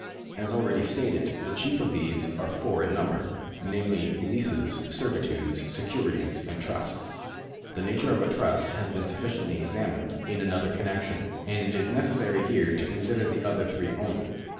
As already stated,^ the chief of these are four in number, namely Leases, Servitudes, Securities, and Trusts. The nature of a trust has been sufficiently examined in 1 Supra § 83. 308 THE LAW OF PROPERTY [§ 158 another connexion, ^ and it is necessary here to consider the other three only.